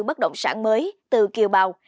bất động sản mới từ kiều bào